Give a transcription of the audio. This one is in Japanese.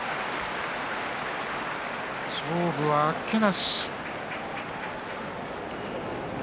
勝負は、あっけなし。